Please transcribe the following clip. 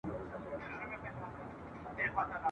را جلا له خپلي مېني را پردېس له خپلي ځالي ..